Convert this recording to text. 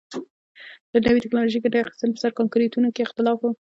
له نوې ټکنالوژۍ د ګټې اخیستنې پر سر کانګویانو کې اختلاف و.